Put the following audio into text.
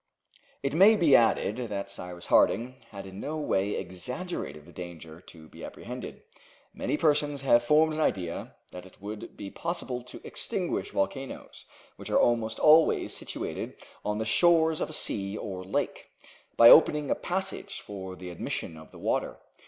It may be added that Cyrus Harding had in no way exaggerated the danger to be apprehended. Many persons have formed an idea that it would be possible to extinguish volcanoes, which are almost always situated on the shores of a sea or lake, by opening a passage for the admission of the water.